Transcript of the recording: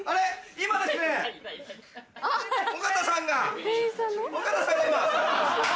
今ですね尾形さんが今。